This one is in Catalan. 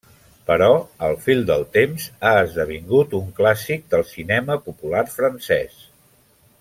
Però, al fil del temps, ha esdevingut un clàssic del cinema popular francès.